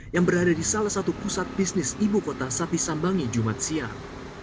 yang berada di salah satu pusat bisnis ibu kota sapi sambangi jumat siang